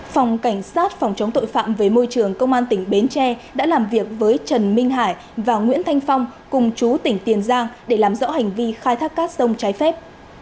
phòng cảnh sát phòng chống tội phạm về môi trường công an tỉnh bến tre đã làm việc với trần minh hải và nguyễn thanh phong cùng chú tỉnh tiền giang để làm rõ hành vi khai thác cát sông trái phép